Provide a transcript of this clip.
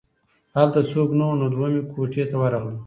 هلته څوک نه وو نو دویمې کوټې ته ورغلم